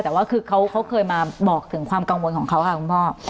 แต่ว่าคือเขาเคยมาบอกถึงความกังวลของเขาค่ะคุณพ่อ